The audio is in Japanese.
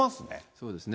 そうですね。